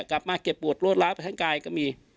กลับมาเจ็บปวดรวดล้าวไปทั้งกายก็มี